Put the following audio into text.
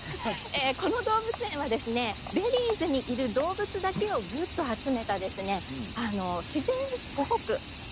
この動物園はベリーズにいる動物だけをぎゅっと集めた自然保護区。